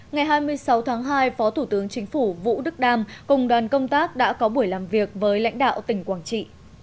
ngày hai mươi sáu tháng hai phó thủ tướng chính phủ vũ đức đam cùng đoàn công tác đã có buổi làm việc với lãnh đạo tỉnh quảng trị